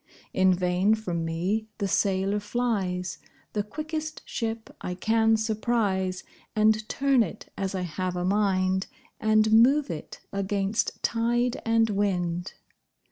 In vain from me the sailor flies, The quickest ship I can surprise, And turn it as I have a mind, And move it against tide and wind.